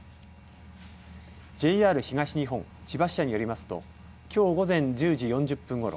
ＪＲ東日本千葉支社によりますときょう午前１０時４０分ごろ